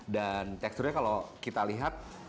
dan teksturnya kalau kita lihat